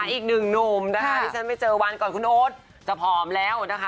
อีกหนึ่งหนุ่มนะคะที่ฉันไปเจอวันก่อนคุณโอ๊ตจะผอมแล้วนะคะ